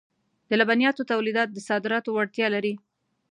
د لبنیاتو تولیدات د صادراتو وړتیا لري.